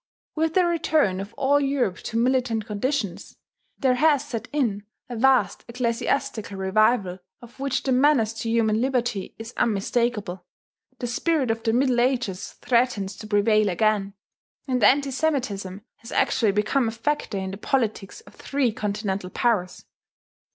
With the return of all Europe to militant conditions, there has set in a vast ecclesiastical revival of which the menace to human liberty is unmistakable; the spirit of the Middle Ages threatens to prevail again; and anti semitism has actually become a factor in the politics of three Continental powers....